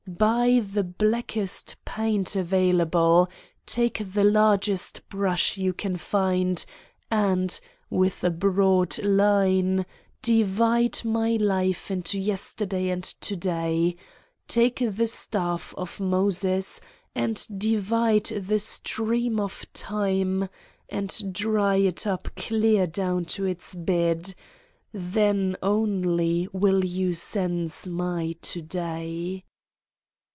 BUY the blackest paint available, take the largest brash you can find and, with a broad line, divide my life into Yesterday and To day. Take the staff of Moses and divide the stream of Time and dry it up clear down to its bed then only will you sense my To day.